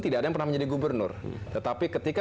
tidak ada yang pernah menjadi gubernur tetapi ketika